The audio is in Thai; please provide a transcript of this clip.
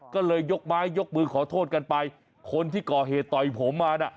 ก็เลยยกไม้ยกมือขอโทษกันไปคนที่ก่อเหตุต่อยผมมาน่ะ